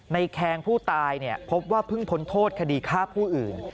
แคงผู้ตายพบว่าเพิ่งพ้นโทษคดีฆ่าผู้อื่น